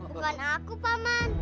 bukan aku paman